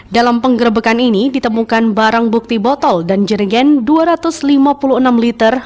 dalam penggerbekan ini ditemukan barang bukti botol dan jerigen dua ratus lima puluh enam liter